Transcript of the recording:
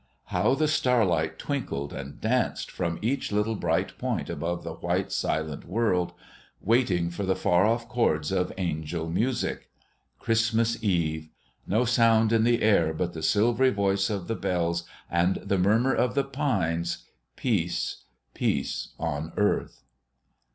How the starlight twinkled and danced from each little bright point above the white, silent world, waiting for the far off chords of angel music! Christmas Eve. No sound in the air but the silvery voice of the bells and the murmur of the pines, "Peace, peace on earth."